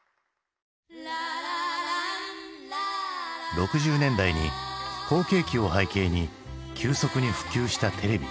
６０年代に好景気を背景に急速に普及したテレビ。